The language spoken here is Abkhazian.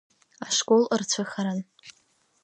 Ашкол рцәыхаран.